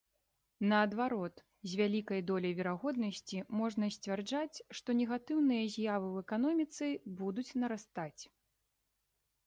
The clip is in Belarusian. Наадварот, з вялікай доляй верагоднасці можна сцвярджаць, што негатыўныя з'явы ў эканоміцы будуць нарастаць.